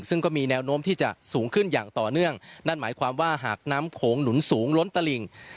ซึ่งก็มีแนวโน้มที่จะสูงขึ้นอย่างต่อเนื่องนั่นหมายความว่าหากน้ำโขงหนุนสูงล้นตลิ่ง